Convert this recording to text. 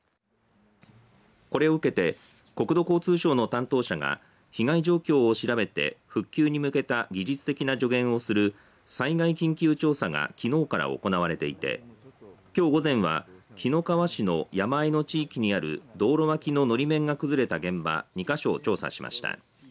これを受けて国土交通省の担当者が被害状況を調べて復旧に向けた技術的な助言をする災害緊急調査がきのうから行われていてきょう午前は紀の川市の山あいの地域にある道路脇ののり面が崩れた現場２か所を調査しました。